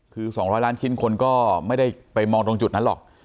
คือ๒๐๐ล้านชิ้นคนก็ไม่ได้ไปมองตรงจุดนั้นหรอก